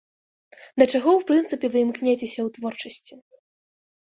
Да чаго ў прынцыпе вы імкняцеся ў творчасці?